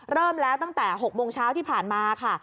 เริ่มแล้วตั้งแต่๖โมงเช้าที่ผ่านมาค่ะ